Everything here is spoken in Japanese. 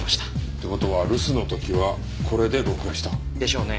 って事は留守の時はこれで録画した。でしょうね。